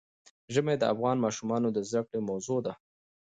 ژمی د افغان ماشومانو د زده کړې موضوع ده.